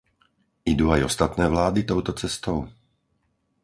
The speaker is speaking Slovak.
Idú aj ostatné vlády touto cestou?